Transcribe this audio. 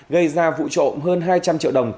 gây ra vụ trộm hơn hai trăm linh triệu đồng